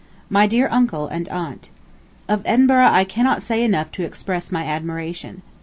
MY DEAR UNCLE AND AUNT: ... Of Edinburgh I cannot say enough to express my admiration.